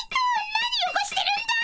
何よごしてるんだ！